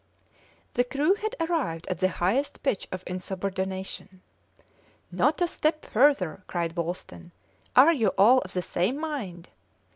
The crew had arrived at the highest pitch of insubordination. "Not a step further!" cried Wolsten. "Are you all of the same mind?"